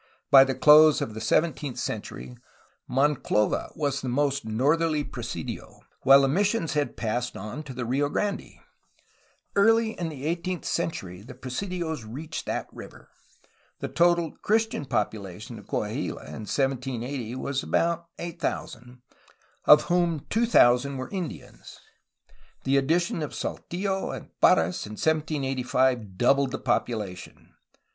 By the close of the seventeenth century Monclova was the most northerly presidio, while the mis sions had passed on to the Rio Grande. Early in the eighteenth century the presidios reached that river. The total Christian population of Coahuila in 1780 was about 8,000, of whom 2,000 were Indians. The addition of Saltillo and Parras in 1785 doubled the population.